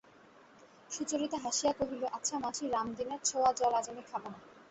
সুচরিতা হাসিয়া কহিল, আচ্ছা মাসি, রামদীনের ছোঁওয়া জল আজ আমি খাব না।